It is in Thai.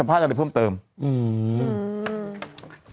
อันนี้ตอนเป็นเด็กว้าน